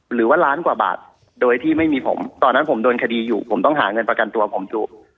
หรือว่าล้านกว่าบาทโดยที่ไม่มีผมตอนนั้นผมโดนคดีอยู่ผมต้องหาเงินประกันตัวผมอยู่